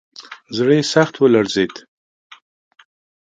زړه یې سخت ولړزېد.